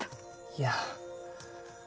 いや。